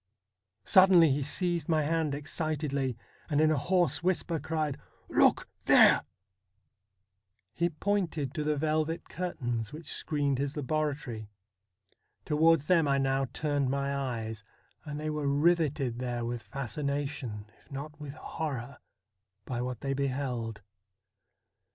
Sud denly he seized my hand excitedly, and in a hoarse whisper cried :' Look there !' He pointed to the velvet curtains which screened his laboratory. Towards them I now turned my eyes, and they were riveted there with fascination, if not with horror, by what they beheld.